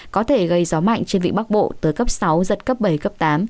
có thể gây gió mạnh trên vịnh bắc bộ tới cấp sáu giật cấp bảy cấp tám